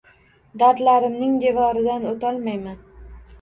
Dardlarimning devoridan oʼtolmayman